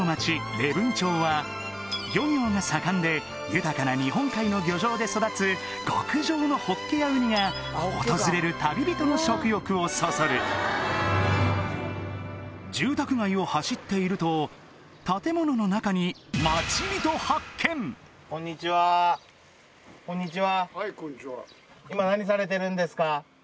礼文町は漁業が盛んで豊かな日本海の漁場で育つ極上のホッケやウニが訪れる旅人の食欲をそそる住宅街を走っていると建物の中にこんにちは。